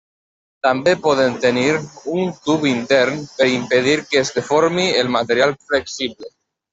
També poden tenir un tub intern per impedir que es deformi el material flexible.